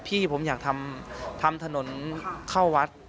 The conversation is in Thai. พี่ผมอยากทำถนนเข้าวัด